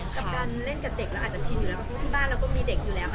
กับการเล่นกับเด็กเราอาจจะชินอยู่แล้วเพราะที่บ้านเราก็มีเด็กอยู่แล้วค่ะ